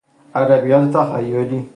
ادبیات تخیلی